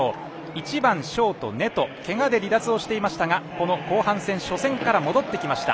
１番、ショートのネトはけがで離脱していましたがこの後半戦初戦から戻ってきました。